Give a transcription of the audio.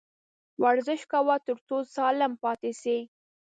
ورزش کوه ، تر څو سالم پاته سې